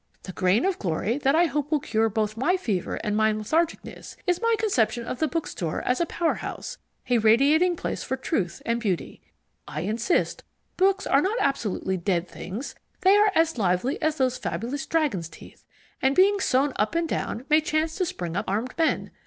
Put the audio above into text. The grain of glory that I hope will cure both my fever and my lethargicness is my conception of the bookstore as a power house, a radiating place for truth and beauty. I insist books are not absolutely dead things: they are as lively as those fabulous dragons' teeth, and being sown up and down, may chance to spring up armed men.